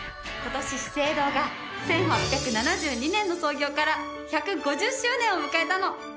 今年資生堂が１８７２年の創業から１５０周年を迎えたの！